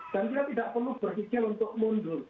dan kita tidak perlu berhijau untuk mundur